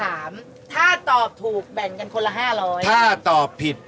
อันนี้หนูขายเท่าไหร่ลูก